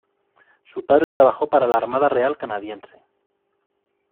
Su padre trabajó para la Armada Real Canadiense.